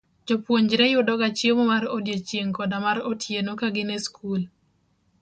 Jopuonjre yudoga chiemo mar odiechieng' koda mar otieno ka gin e skul.